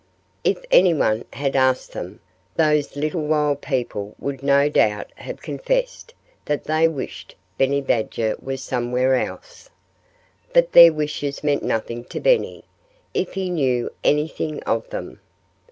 If anyone had asked them, those little wild people would no doubt have confessed that they wished Benny Badger was somewhere else. But their wishes meant nothing to Benny if he knew anything of them.